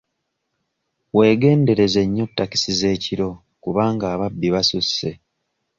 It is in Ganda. Weegendereze nnyo takisi z'ekiro kubanga ababbi basusse.